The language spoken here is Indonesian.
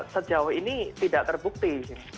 sejauh ini tidak terbukti